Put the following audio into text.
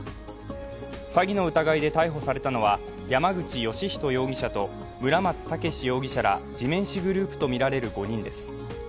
詐欺の疑いで逮捕されたのは、山口芳仁容疑者と村松武容疑者ら地面師グループとみられる５人です。